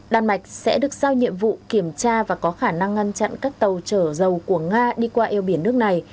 đan mạch sẽ được sao nhiệm vụ kiểm tra và có khả năng ngăn chặn các tàu chở dầu của nga đi qua eo biển nước này